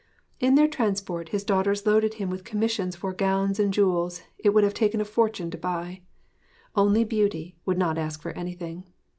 In their transport his daughters loaded him with commissions for gowns and jewels it would have taken a fortune to buy. Only Beauty would not ask for anything.